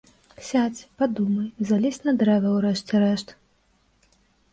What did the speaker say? Сядзь, падумай, залезь на дрэва ў рэшце рэшт.